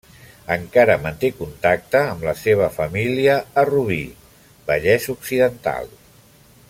Encara manté contacte amb la seva família a Rubí, Vallès Occidental.